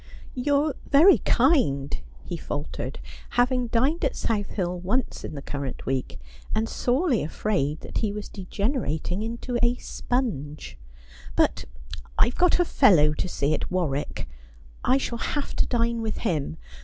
' You're very kind,' he faltered, having dined at South Hill once in the current week, and stTely afraid that he was degen erating into a sponge, ' but I've got a fellow to see at Warwick ; I shall have to dine with him.